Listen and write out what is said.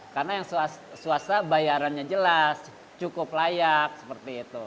karena yang swasta bayarannya jelas cukup layak seperti itu